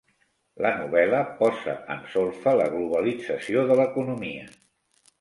La novel·la posa en solfa la globalització de l'economia.